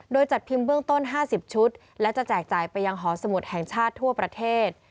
โดยจัดพิมพ์เบื้องต้น๕๐ชุดและจะแจกจ่ายไปยังหอสมุทรแห่งชาติทั่วประเทศ